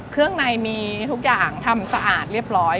เครื่องในมีทุกอย่างทำสะอาดเรียบร้อย